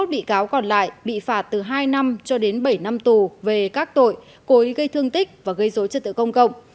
hai mươi một bị cáo còn lại bị phạt từ hai năm cho đến bảy năm tù về các tội cối gây thương tích và gây dối chất tựa công cộng